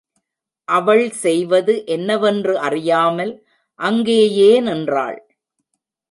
அவள் செய்வது என்னவென்று அறியாமல அங்கேயே நின்றாள்.